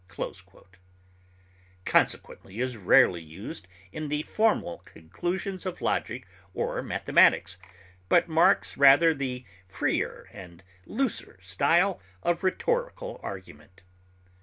Consequently is rarely used in the formal conclusions of logic or mathematics, but marks rather the freer and looser style of rhetorical argument.